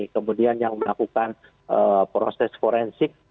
kemudian yang melakukan proses forensik